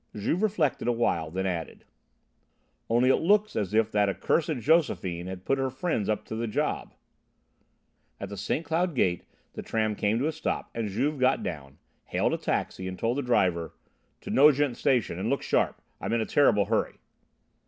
Juve reflected a while, then added: "Only it looks as if that accursed Josephine had put her friends up to the job." At the St. Cloud gate the tram came to a stop and Juve got down, hailed a taxi, and told the driver: "To Nogent Station and look sharp. I'm in a terrible hurry."